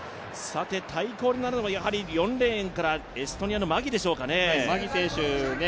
対抗となるのは４レーンからエストニアのマギ選手ですかね。